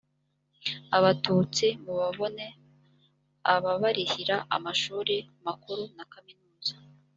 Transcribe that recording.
abatutsi mu babone ababarihira amashuri makuru na kaminuza